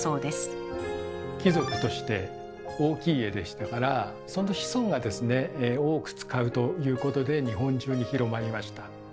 貴族として大きい家でしたからその子孫がですね多く使うということで日本中に広まりました。